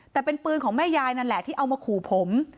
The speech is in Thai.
แต่เป็นปืนของแม่ยายนั่นแหละที่เอามาขู่ผม